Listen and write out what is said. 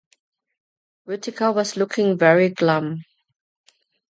Whittaker was looking very glum.